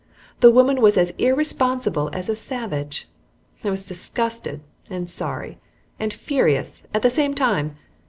The woman was as irresponsible as a savage. I was disgusted and sorry and furious at the same time.